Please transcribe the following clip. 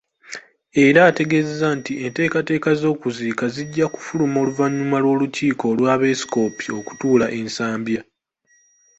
Era ategezezza nti enteekateeka z'okuziika zijja kufuluma oluvannyuma lw'olukiiko lw'abepiskoopi okutuula e Nsambya.